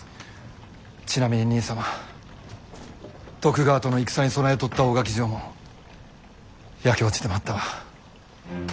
ちなみに兄様徳川との戦に備えとった大垣城も焼け落ちてまったわ。